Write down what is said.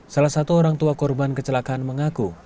salah satu orang tua korban kecelakaan mengaku